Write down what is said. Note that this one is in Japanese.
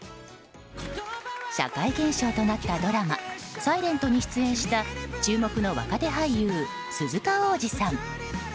社会現象となったドラマ「ｓｉｌｅｎｔ」に出演した注目の若手俳優、鈴鹿央士さん。